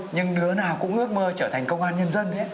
nhưng đứa nào cũng ước mơ trở thành công an nhân dân